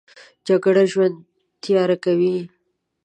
جګړه ژوند تیاره کوي